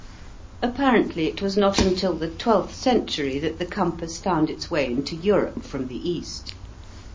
Apparently it was not until the twelfth century that the compass found its way into Europe from the East.